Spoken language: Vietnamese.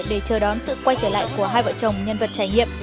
để chờ đón sự quay trở lại của hai vợ chồng nhân vật trải nghiệm